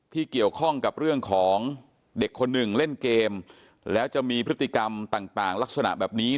ที่เกี่ยวข้องกับเรื่องของเด็กคนหนึ่งเล่นเกมแล้วจะมีพฤติกรรมต่างลักษณะแบบนี้